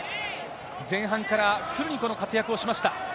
前半からフルに活躍をしました。